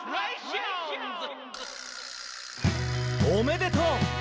「おめでとう！」